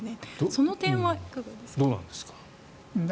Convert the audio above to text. その点はいかがですか？